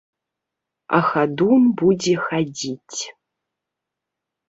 А хадун будзе хадзіць.